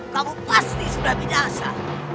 kamu pasti sudah binasa